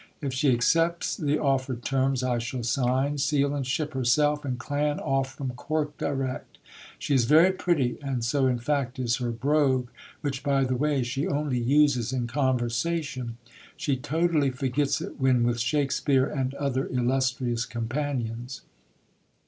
If she accepts the offered terms I shall sign, seal and ship herself and clan off from Cork direct. She is very pretty, and so, in fact, is her brogue, which, by the way, she only uses in conversation. She totally forgets it when with Shakespeare and other illustrious companions."